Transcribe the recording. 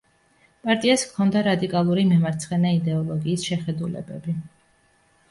პარტიას ჰქონდა რადიკალური მემარცხენე იდეოლოგიის შეხედულებები.